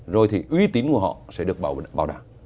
rồi thì uy tín của họ sẽ được bảo đảm